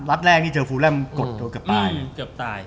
รัฐแรกที่เจอฟูแร่มกดโดยเกือบตาย